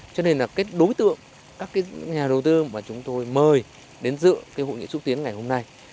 cho nên là các đối tượng các nhà đầu tư mà chúng tôi mời đến dựa hội nghị xúc tiến ngày hôm nay